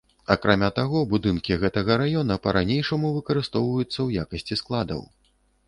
Акрамя таго, будынкі гэтага раёна па-ранейшаму выкарыстоўваюцца ў якасці складаў.